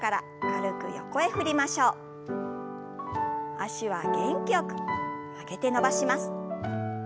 脚は元気よく曲げて伸ばします。